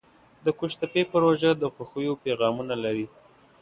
د قوشتېپې پروژه د خوښیو پیغامونه لري.